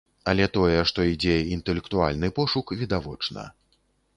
Але тое, што ідзе інтэлектуальны пошук, відавочна.